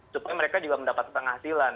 supaya mereka juga mendapat penghasilan